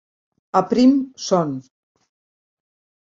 A prim son.